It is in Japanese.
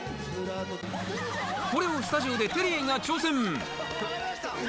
これをスタジオでテリーが挑戦。